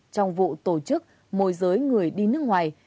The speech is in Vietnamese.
trong vụ tổ chức môi giới người đi nước ngoài